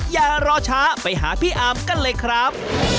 อย่ารอช้าไปหาพี่อาร์มกันเลยครับ